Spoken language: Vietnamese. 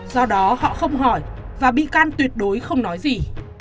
do đó họ không hỏi và bị can tuyệt đối không nói gì